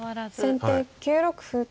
先手９六歩。